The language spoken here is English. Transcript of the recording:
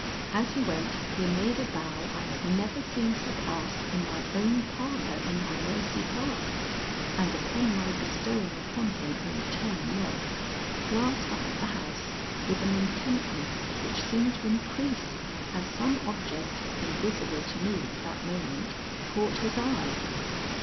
As he went he made a bow I have never seen surpassed in my own parlor in Gramercy Park, and upon my bestowing upon him a return nod, glanced up at the house with an intentness which seemed to increase as some object, invisible to me at that moment, caught his eye.